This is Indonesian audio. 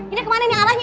ini kemana nih arahnya